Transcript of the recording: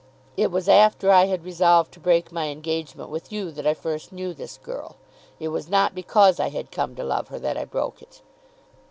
It was after I had resolved to break my engagement with you that I first knew this girl. It was not because I had come to love her that I broke it.